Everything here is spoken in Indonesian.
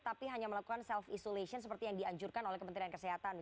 tapi hanya melakukan self isolation seperti yang dianjurkan oleh kementerian kesehatan